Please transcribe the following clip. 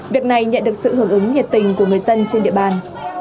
việc này nhận được sự hưởng ứng nhiệt tình của người dân trên địa bàn